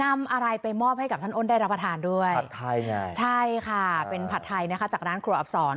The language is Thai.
มาทานด้วยผัดไทยไงใช่ค่ะเป็นผัดไทยนะคะจากร้านครัวอับศร